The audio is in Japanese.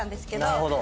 なるほど。